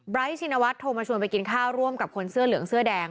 ชินวัฒน์โทรมาชวนไปกินข้าวร่วมกับคนเสื้อเหลืองเสื้อแดง